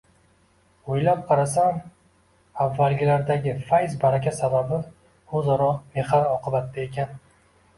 O‘ylab qarasam, avvalgilardagi fayz-baraka sababi o‘zaro mehr-oqibatda ekan.